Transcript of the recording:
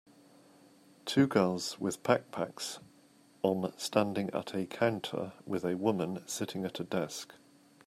Two girls with backpacks on standing at a counter with a woman sitting at a desk.